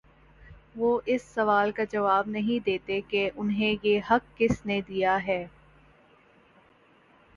وہ اس سوال کا جواب نہیں دیتے کہ انہیں یہ حق کس نے دیا ہے۔